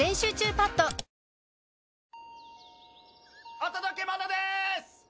お届けものです！